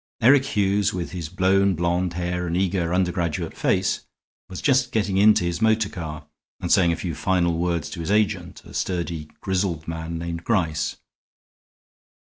Eric Hughes, with his blown blond hair and eager undergraduate face, was just getting into his motor car and saying a few final words to his agent, a sturdy, grizzled man named Gryce.